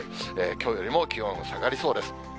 きょうよりも気温下がりそうです。